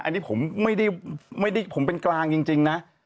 อันนี้ผมไม่ได้ผมเป็นกลางจริงนะ